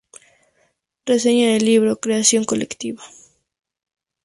Reseña del libro "Creación colectiva.